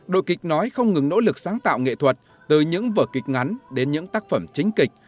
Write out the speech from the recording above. đội kịch nói không ngừng nỗ lực sáng tạo nghệ thuật từ những vở kịch ngắn đến những tác phẩm chính kịch